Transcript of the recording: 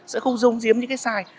sẽ không giấu giếm những cái sai